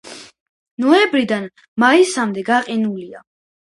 ნოემბრიდან მაისამდე გაყინულია.